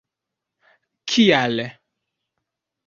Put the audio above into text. kial